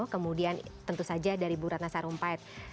kemudian tentu saja dari bu ratna sarumpait